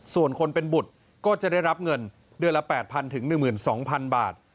ส่วนคนเป็นบุตรก็จะได้รับเงินเดือนละ๘๐๐๑๒๐๐๐บาท